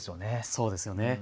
そうですね。